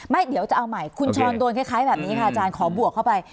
เดี๋ยวจะเอาใหม่คุณชรโดนคล้ายแบบนี้ค่ะอาจารย์ขอบวกเข้าไป